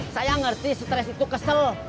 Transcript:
saya ngerti stres itu kesel